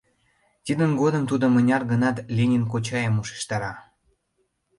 Тидын годым тудо мыняр-гынат Ленин кочайым ушештара.